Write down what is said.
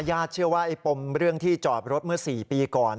ญาติเชื่อว่าไอ้ปมเรื่องที่จอดรถเมื่อ๔ปีก่อน